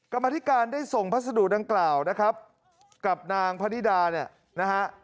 กรรมธิการได้ส่งพัสดุดังกล่าวนะครับกับนางพนิดาเนี่ยนะฮะ